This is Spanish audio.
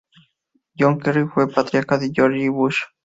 John Kerry fue Patriarca de George W. Bush.